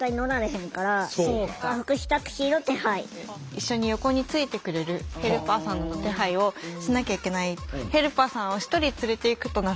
一緒に横についてくれるヘルパーさんの手配をしなきゃいけない。